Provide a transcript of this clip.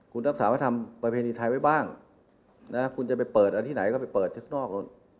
คุณรับสามารถทำประเภทในไทยไว้บ้างคุณจะไปเปิดอันที่ไหนก็ไปเปิดที่นอก